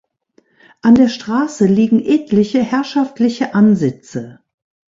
An der Straße liegen etliche herrschaftliche Ansitze.